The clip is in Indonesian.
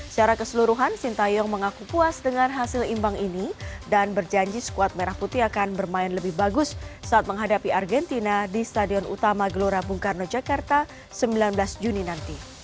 secara keseluruhan sintayong mengaku puas dengan hasil imbang ini dan berjanji skuad merah putih akan bermain lebih bagus saat menghadapi argentina di stadion utama gelora bung karno jakarta sembilan belas juni nanti